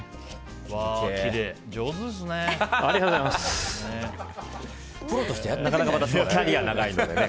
上手ですね。